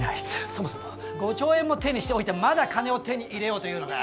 そもそも５兆円も手にしておいてまだ金を手に入れようというのか。